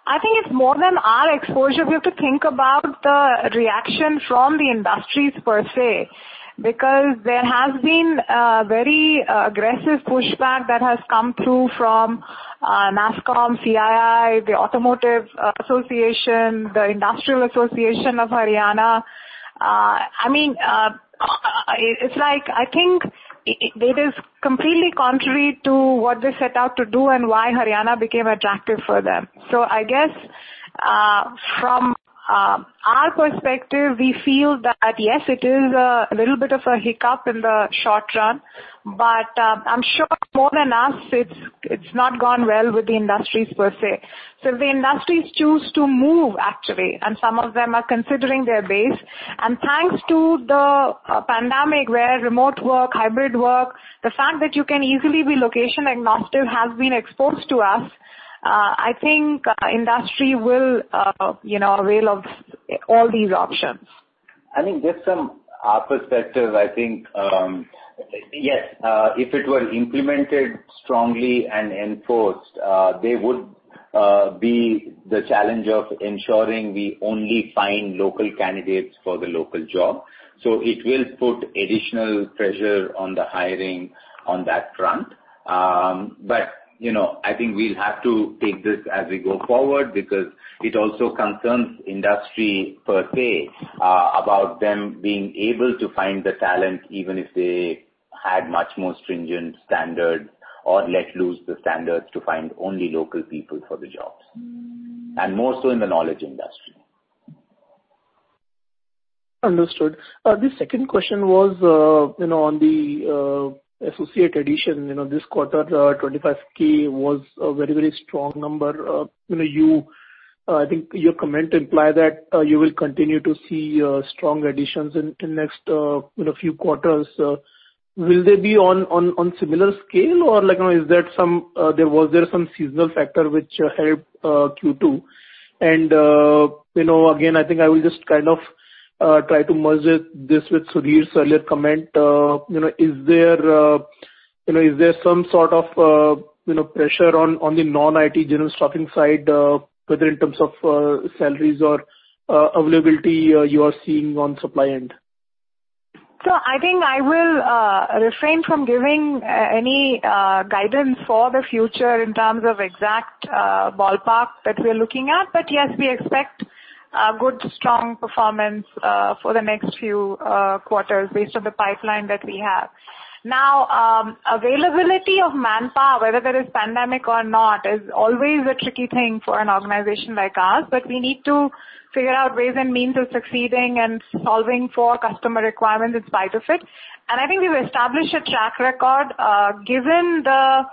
I think it's more than our exposure. We have to think about the reaction from the industries per se, because there has been a very aggressive pushback that has come through from NASSCOM, CII, the Automotive Association, the Industrial Association of Haryana. I mean, it's like I think it is completely contrary to what they set out to do and why Haryana became attractive for them. I guess from our perspective, we feel that yes, it is a little bit of a hiccup in the short run. I'm sure more than us, it's not gone well with the industries per se. If the industries choose to move, actually, and some of them are considering their base, and thanks to the pandemic where remote work, hybrid work, the fact that you can easily be location agnostic has been exposed to us, I think industry will, you know, avail of all these options. I think just from our perspective, yes, if it were implemented strongly and enforced, there would be the challenge of ensuring we only find local candidates for the local job. It will put additional pressure on the hiring on that front. You know, I think we'll have to take this as we go forward because it also concerns industry per se, about them being able to find the talent, even if they had much more stringent standards or let loose the standards to find only local people for the jobs, and more so in the knowledge industry. Understood. The second question was, you know, on the associate addition. You know, this quarter, 25K was a very, very strong number. You know, I think your comment imply that you will continue to see strong additions in next few quarters. Will they be on similar scale or like is there some seasonal factor which helped Q2? You know, again, I think I will just kind of try to merge this with Sudheer's earlier comment. You know, is there some sort of pressure on the non-IT general staffing side, whether in terms of salaries or availability you are seeing on supply end? I think I will refrain from giving any guidance for the future in terms of exact ballpark that we're looking at. Yes, we expect a good strong performance for the next few quarters based on the pipeline that we have. Now, availability of manpower, whether there is pandemic or not, is always a tricky thing for an organization like ours. We need to figure out ways and means of succeeding and solving for customer requirements in spite of it. I think we've established a track record, given the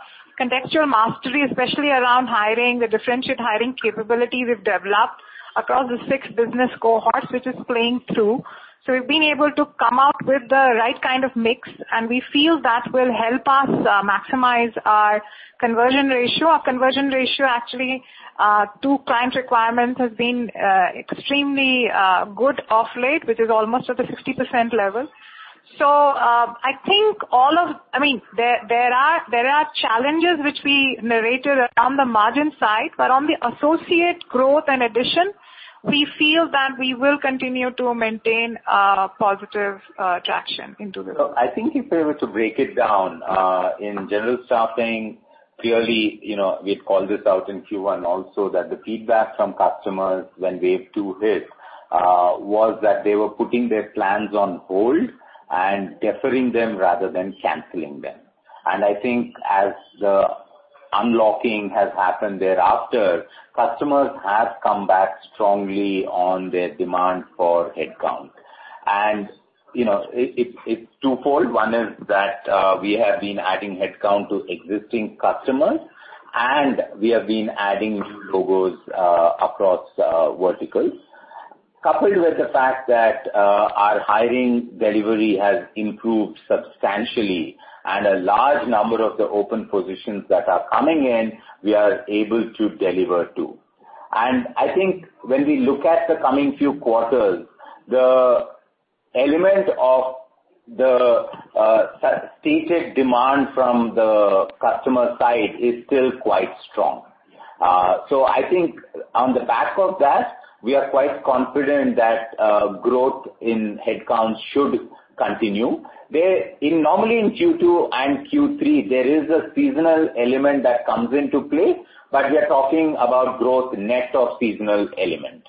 contextual mastery, especially around hiring, the differentiated hiring capability we've developed across the six business cohorts, which is playing through. We've been able to come out with the right kind of mix, and we feel that will help us maximize our conversion ratio. Our conversion ratio actually to client requirements has been extremely good of late, which is almost at the 60% level. I think I mean, there are challenges which we narrated on the margin side, but on the associate growth and addition, we feel that we will continue to maintain positive traction into this. I think if we were to break it down, in general staffing, clearly, you know, we've called this out in Q1 also that the feedback from customers when wave two hit, was that they were putting their plans on hold and deferring them rather than canceling them. I think as the unlocking has happened thereafter, customers have come back strongly on their demand for headcount. You know, it's twofold. One is that, we have been adding headcount to existing customers, and we have been adding new logos, across, verticals. Coupled with the fact that, our hiring delivery has improved substantially and a large number of the open positions that are coming in, we are able to deliver to. I think when we look at the coming few quarters, the element of the stated demand from the customer side is still quite strong. So I think on the back of that, we are quite confident that growth in headcount should continue. Normally in Q2 and Q3, there is a seasonal element that comes into play, but we are talking about growth net of seasonal element.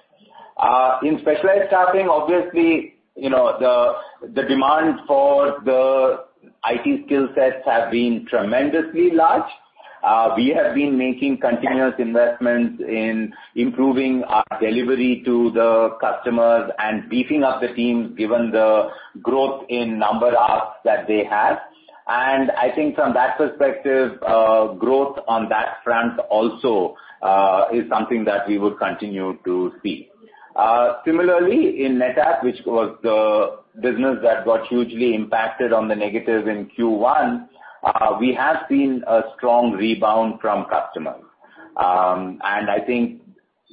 In specialized staffing, obviously, you know, the demand for the IT skill sets have been tremendously large. We have been making continuous investments in improving our delivery to the customers and beefing up the teams given the growth in number asks that they have. I think from that perspective, growth on that front also is something that we would continue to see. Similarly in NETAP, which was the business that got hugely impacted on the negative in Q1, we have seen a strong rebound from customers. I think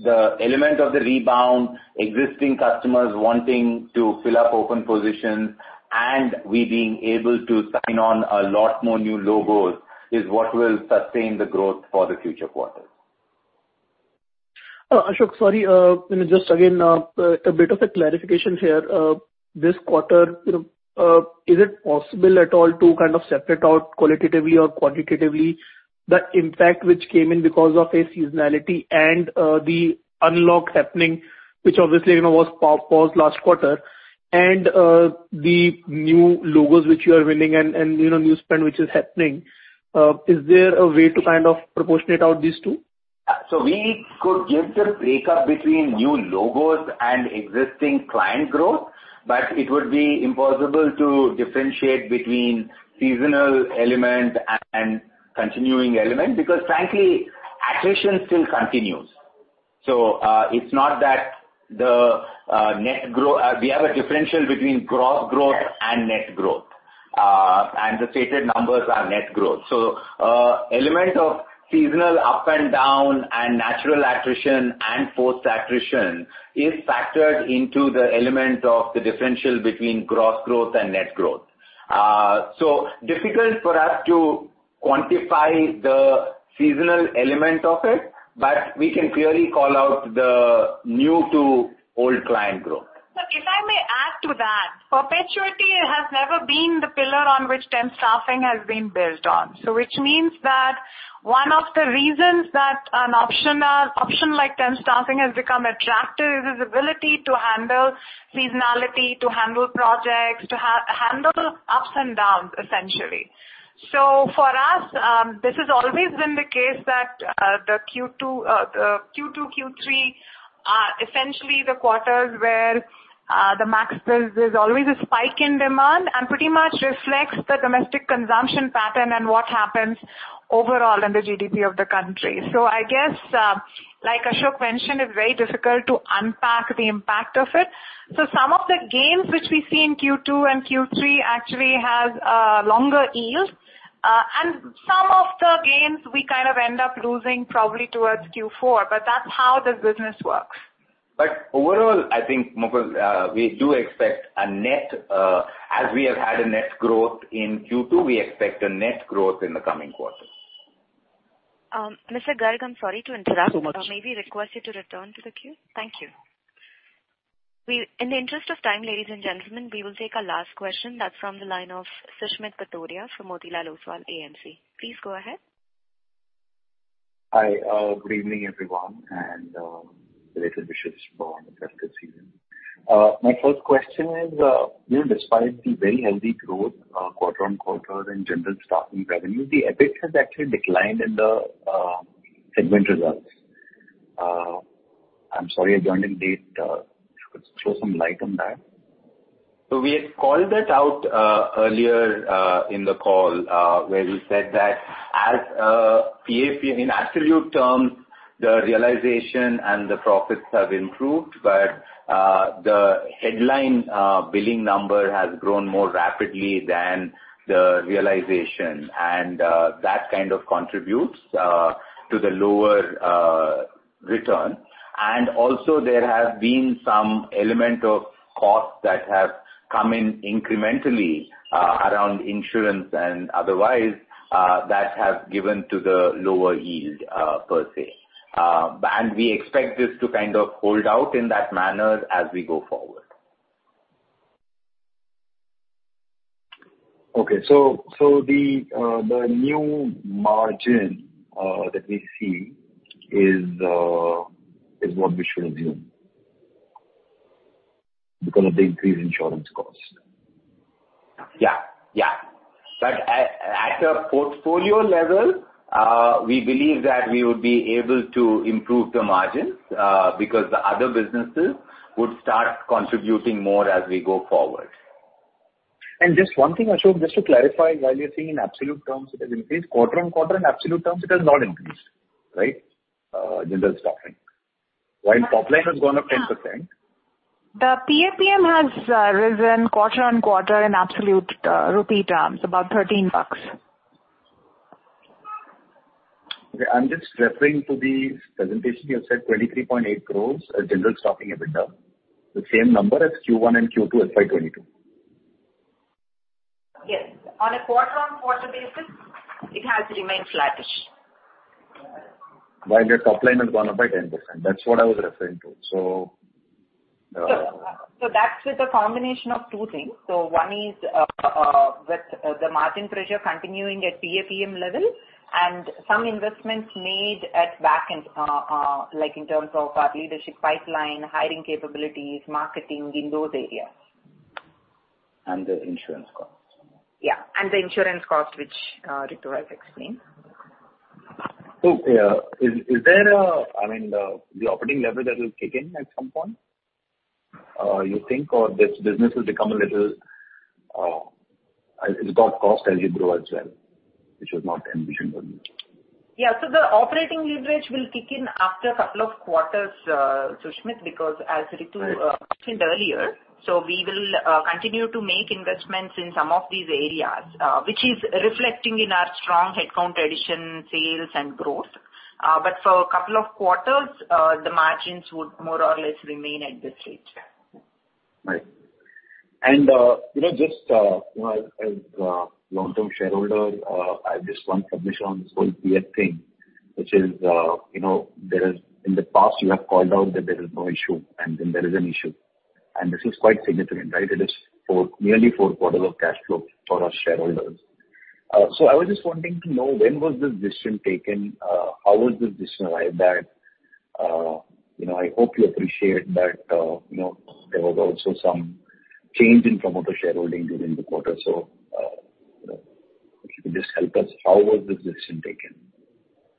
the element of the rebound, existing customers wanting to fill up open positions and we being able to sign on a lot more new logos is what will sustain the growth for the future quarters. Ashok, sorry. Let me just again, a bit of a clarification here. This quarter, you know, is it possible at all to kind of separate out qualitatively or quantitatively the impact which came in because of a seasonality and, the unlock happening, which obviously, you know, was paused last quarter and, the new logos which you are winning and, you know, new spend which is happening. Is there a way to kind of proportionate out these two? We could give the breakup between new logos and existing client growth, but it would be impossible to differentiate between seasonal element and continuing element because frankly, attrition still continues. It's not that the net growth. We have a differential between gross growth and net growth. The stated numbers are net growth. Element of seasonal up and down and natural attrition and forced attrition is factored into the element of the differential between gross growth and net growth. Difficult for us to quantify the seasonal element of it, but we can clearly call out the new to old client growth. Sir, if I may add to that. Perpetuity has never been the pillar on which temp staffing has been built on. Which means that one of the reasons that an option like temp staffing has become attractive is its ability to handle seasonality, to handle projects, to handle ups and downs, essentially. For us, this has always been the case that the Q2, Q3 are essentially the quarters where there's always a spike in demand and pretty much reflects the domestic consumption pattern and what happens overall in the GDP of the country. I guess, like Ashok mentioned, it's very difficult to unpack the impact of it. Some of the gains which we see in Q2 and Q3 actually has a longer yield. Some of the gains we kind of end up losing probably towards Q4. That's how this business works. Overall, I think, Mukul, we do expect a net, as we have had a net growth in Q2, we expect a net growth in the coming quarters. Mr. Garg, I'm sorry to interrupt. Much. May we request you to return to the queue? Thank you. In the interest of time, ladies and gentlemen, we will take our last question. That's from the line of Susmit Patodia from Motilal Oswal AMC. Please go ahead. Hi. Good evening, everyone, and related wishes for a festive season. My first question is, you know, despite the very healthy growth quarter-over-quarter in general staffing revenue, the EBIT has actually declined in the segment results. I'm sorry I joined in late. If you could throw some light on that. We had called that out earlier in the call where we said that as PAP in absolute terms the realization and the profits have improved, but the headline billing number has grown more rapidly than the realization. That kind of contributes to the lower return. Also there have been some element of costs that have come in incrementally around insurance and otherwise that have given to the lower yield per se. We expect this to kind of hold out in that manner as we go forward. The new margin that we see is what we should assume because of the increased insurance cost. At a portfolio level, we believe that we would be able to improve the margins, because the other businesses would start contributing more as we go forward. Just one thing, Ashok, just to clarify. While you're seeing in absolute terms it has increased quarter-over-quarter, in absolute terms it has not increased, right? General staffing. While top line has gone up 10%. The PAPM has risen quarter-on-quarter in absolute rupee terms, about INR 13. Okay. I'm just referring to the presentation. You have said 23.8 crores are general staffing EBITDA. The same number as Q1 and Q2 FY 2022. Yes. On a quarter-on-quarter basis, it has remained flattish. While your top line has gone up by 10%. That's what I was referring to. That's with the combination of two things. One is with the margin pressure continuing at PAPM level and some investments made at back end, like in terms of our leadership pipeline, hiring capabilities, marketing in those areas. The insurance costs. Yeah, the insurance cost, which Ritu has explained. Yeah, is there a I mean, the operating leverage that will kick in at some point? You think, or this business will become a little, it's got cost as you grow as well, which was not envisioned earlier. Yeah. The operating leverage will kick in after a couple of quarters, Susmit, because as Ritu mentioned earlier. We will continue to make investments in some of these areas, which is reflecting in our strong headcount addition, sales and growth. For a couple of quarters, the margins would more or less remain at this rate. Right. You know, just, you know, as a long-term shareholder, I just want position on this whole PF thing, which is, you know, there is. In the past you have called out that there is no issue and then there is an issue, and this is quite significant, right? It is four, nearly four quarters of cash flow for our shareholders. I was just wanting to know, when was this decision taken? How was this decision arrived at? You know, I hope you appreciate that, you know, there was also some change in promoter shareholding during the quarter. If you could just help us, how was this decision taken?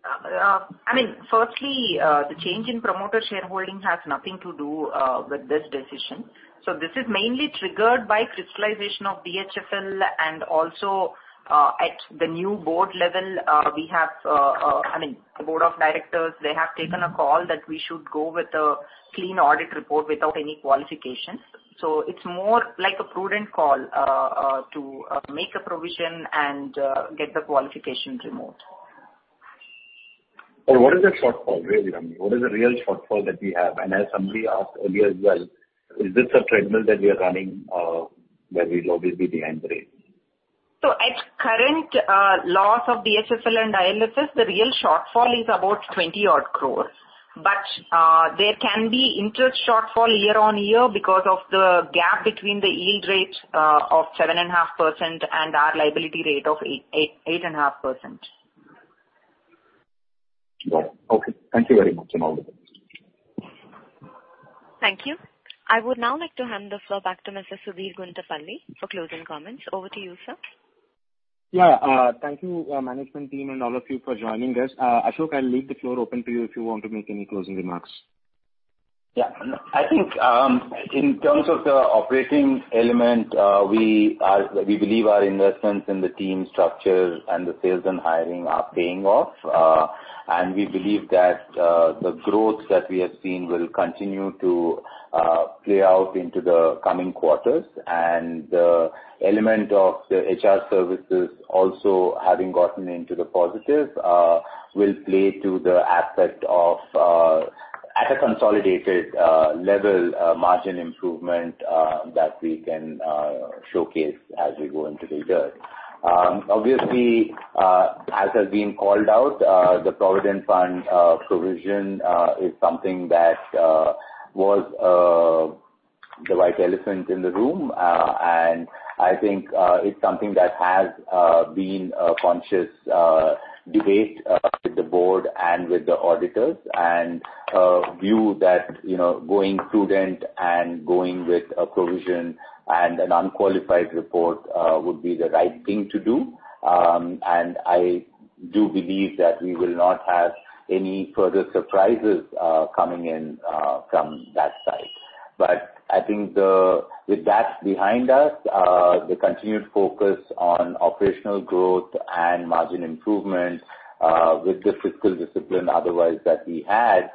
I mean, firstly, the change in promoter shareholding has nothing to do with this decision. This is mainly triggered by crystallization of DHFL and also, at the new board level, we have, I mean, the board of directors, they have taken a call that we should go with a clean audit report without any qualifications. It's more like a prudent call to make a provision and get the qualifications removed. What is the shortfall really, I mean? What is the real shortfall that we have? As somebody asked earlier as well, is this a treadmill that we are running, where we'll always be behind the race? At current loss of DHFL and IL&FS, the real shortfall is about 20-odd crore. There can be interest shortfall year-on-year because of the gap between the yield rate of 7.5% and our liability rate of 8.5%. Got it. Okay. Thank you very much. I'm out. Thank you. I would now like to hand the floor back to Mr. Sudheer Guntupalli for closing comments. Over to you, sir. Yeah. Thank you, management team and all of you for joining us. Ashok, I'll leave the floor open to you if you want to make any closing remarks. Yeah. No. I think in terms of the operating element, we believe our investments in the team structures and the sales and hiring are paying off. We believe that the growth that we have seen will continue to play out into the coming quarters. The element of the HR services also having gotten into the positive will play to the aspect of at a consolidated level margin improvement that we can showcase as we go into the year. Obviously, as has been called out, the provident fund provision is something that was the white elephant in the room. I think it's something that has been a conscious debate with the board and with the auditors and a view that, you know, going prudent and going with a provision and an unqualified report would be the right thing to do. I do believe that we will not have any further surprises coming in from that side. I think with that behind us, the continued focus on operational growth and margin improvement with the fiscal discipline otherwise that we had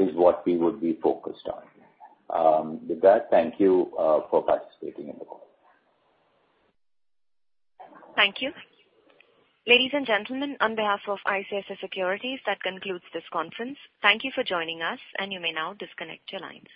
is what we would be focused on. With that, thank you for participating in the call. Thank you. Ladies and gentlemen, on behalf of ICICI Securities, that concludes this conference. Thank you for joining us and you may now disconnect your lines.